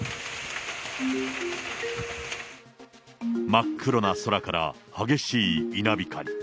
真っ黒な空から激しい稲光。